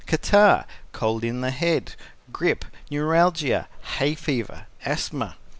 Catarrh, cold in the head, grip, neuralgia, hay fever, asthma.